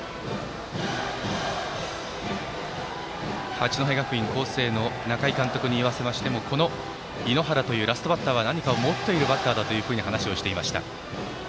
八戸学院光星の仲井監督に言わせましてもこの猪原というラストバッターは何かを持っているバッターだというふうに話をしていました。